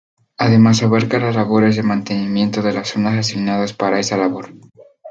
Además abarca las labores de mantenimiento de las zonas asignadas para esa labor.